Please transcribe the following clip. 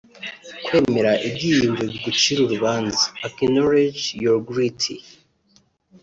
Kwemera ibyiyumvo bigucira urubanza [acknowledge your guilt]